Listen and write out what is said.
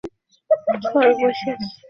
হয়তো তোমার ওকে বোঝানো উচিত ছিল।